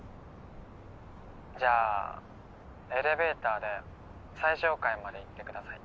じゃあエレベーターで最上階まで行ってください。